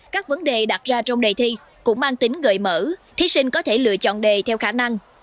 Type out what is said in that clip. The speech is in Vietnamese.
các vấn đề đặt ra trong đề thi cũng mang tính gợi mở thí sinh có thể lựa chọn đề theo khả năng